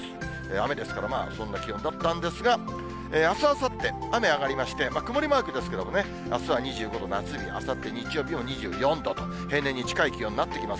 雨ですから、まあそんな気温だったんですが、あす、あさって、雨上がりまして、曇りマークですけれども、あすは２５度、夏日、あさって日曜日も２４度と、平年に近い気温になってきます。